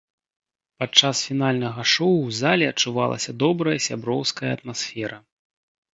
Падчас фінальнага шоу ў зале адчувалася добрая сяброўская атмасфера.